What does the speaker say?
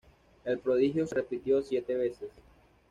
El prodigio se repitió ¡siete veces!